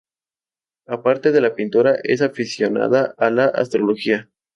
Aparte de a la pintura, es aficionada a la astrología.